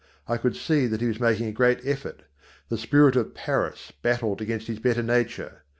I could see that he was making a great effort. The spirit of Paris battled against his better nature.